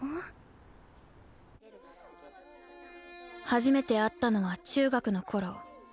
初めて会ったのは中学の頃。